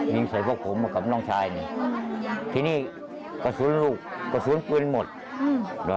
ยิงใส่พวกผมกำล่องชายอื้อทีนี้กระสุนลูกกระสุนปืนหมดอือ